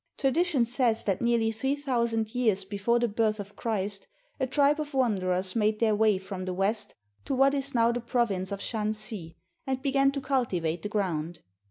Tradition says that nearly 3000 years before the birth of Christ a tribe of wanderers made their way from the west to what is now the province of Shan si, and began to cultivate the ground.